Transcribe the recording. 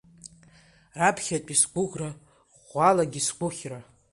Раԥхьатәи сгәыӷра, ӷәӷәалагьы сгәыхьра.